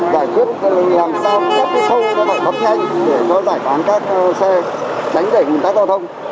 giải quyết làm sao các cái thông nó phải bắt nhanh để có giải phán các xe đánh đẩy người ta giao thông